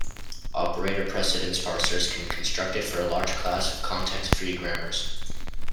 Operator-precedence parsers can be constructed for a large class of context-free grammars.